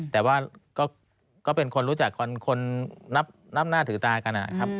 แต่ว่าก็เป็นคนรู้จักคนนับหน้าถือตากันนะครับ